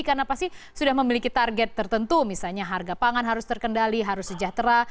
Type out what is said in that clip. karena pasti sudah memiliki target tertentu misalnya harga pangan harus terkendali harus sejahtera